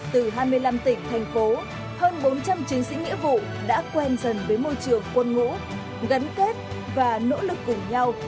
từ hai mươi năm tỉnh thành phố hơn bốn trăm linh chiến sĩ nghĩa vụ đã quen dần với môi trường quân ngũ gắn kết và nỗ lực cùng nhau